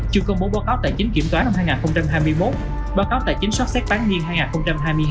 chưa công bố báo cáo tài chính kiểm toán năm hai nghìn hai mươi một báo cáo tài chính soát xét bán nghiêng hai nghìn hai mươi hai